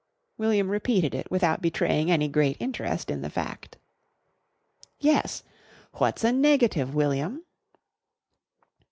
William repeated it without betraying any great interest in the fact. "Yes. What's a negative, William?"